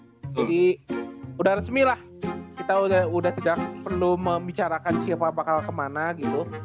jadi udah resmi lah kita udah tidak perlu membicarakan siapa bakal kemana gitu